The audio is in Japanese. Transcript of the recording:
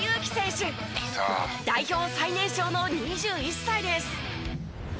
代表最年少の２１歳です。